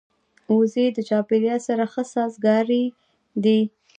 وزې د چاپېریال سره ښه سازګارې دي